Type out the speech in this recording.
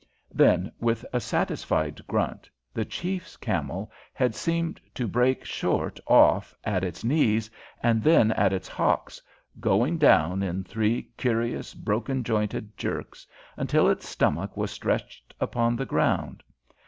Then, with a satisfied grunt, the chiefs camel had seemed to break short off at its knees, and then at its hocks, going down in three curious, broken jointed jerks until its stomach was stretched upon the ground.